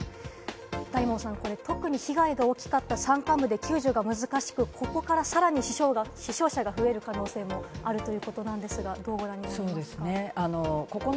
大門さん、これ特に被害が大きかった山間部で救助が難しく、ここからさらに死傷者が増える可能性があるということなんですが、どうご覧になりますか？